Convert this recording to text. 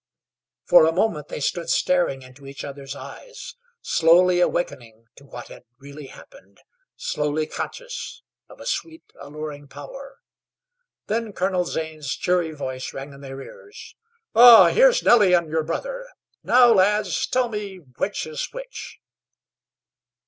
For a moment they stood staring into each other's eyes, slowly awakening to what had really happened, slowly conscious of a sweet, alluring power. Then Colonel Zane's cheery voice rang in their ears. "Ah, here's Nellie and your brother! Now, lads, tell me which is which?'